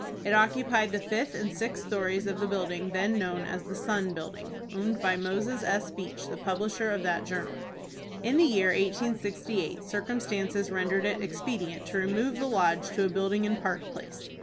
It occupied the fifth and sixth stories of the building then known as the "Sun" building, owned by Moses S. Beach, the publisher of that journal. In the year 1868 circumstances rendered it expedient to remove the Lodge to a building in Park Place.